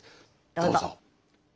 どうぞ。